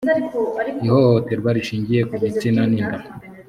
ihohoterwa rishingiye ku gitsina n inda